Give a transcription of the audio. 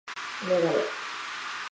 メガネ